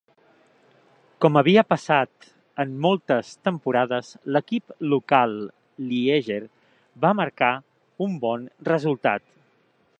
Com havia passat en moltes temporades, l'equip local Ligier va marcar un bon resultat.